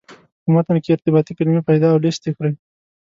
په متن کې ارتباطي کلمې پیدا او لست یې کړئ.